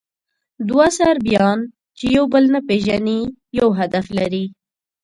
دوه صربیان، چې یو بل نه پېژني، یو هدف لري.